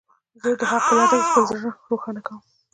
زه د حق په لټه کې خپل زړه روښانه کوم.